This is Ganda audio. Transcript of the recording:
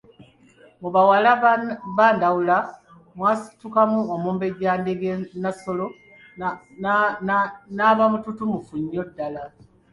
Mu bawala ba Ndawula mwasitukamu Omumbejja Ndege Nassolo, n'aba mututumufu nnyo ddala.